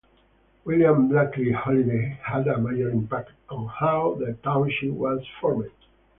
William Blakely Holliday had a major impact on how the township was formed.